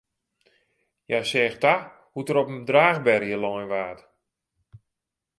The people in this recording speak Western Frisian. Hja seach ta hoe't er op in draachberje lein waard.